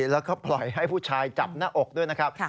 แล้วก็ปล่อยให้ผู้ชายจับหน้าอกด้วยนะครับ